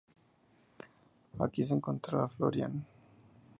Aquí se reencontró con Florián.